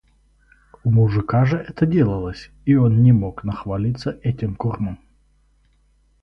У мужика же это делалось, и он не мог нахвалиться этим кормом.